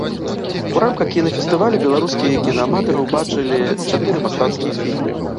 У рамках кінафестывалю беларускія кінааматары убачылі чатыры мастацкія фільмы.